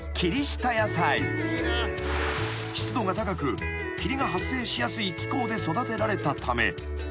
［湿度が高く霧が発生しやすい気候で育てられたため］